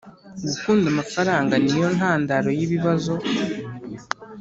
Gukunda amafaranga ni yo ntandaro yibibazo